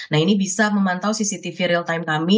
nah ini bisa memantau cctv real time kami